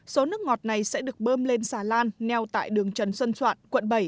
số nước ngọt này sẽ được bơm lên xà lan neo tại đường trần xuân soạn quận bảy